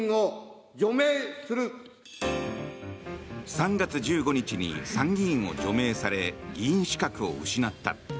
３月１５日に参議院を除名され議員資格を失った。